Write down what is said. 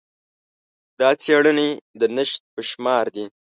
دا څېړنې د نشت په شمار دي.